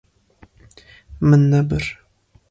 Min nebir.